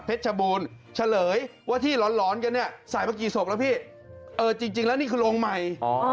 เออจริงแล้วนี่คือโรงใหม่